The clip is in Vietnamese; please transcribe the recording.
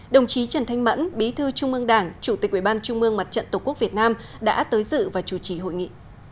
đồng chí trần thanh mẫn bí thư trung ương đảng chủ tịch ủy ban trung mương mặt trận tổ quốc việt nam đã tới dự và chủ trì hội nghị